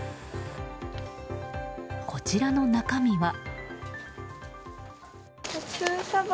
こちらの中身は。